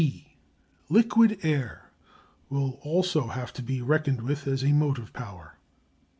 _] D. Liquid Air will also have to be reckoned with as a motive power.